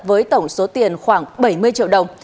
với tổng số tiền khoảng bảy mươi triệu đồng